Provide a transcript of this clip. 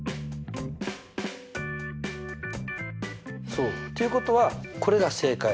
そう。ということはこれが正解。